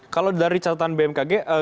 kalau dari catatan bmkg